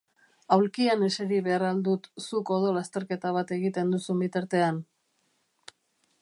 Aulkian eseri behar al dut zuk odol-azterketa bat egiten duzun bitartean?